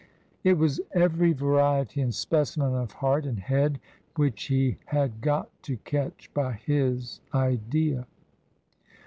It was every variety and specimen TRANSITION. 213 of heart and head which he had got to catch by his Idea.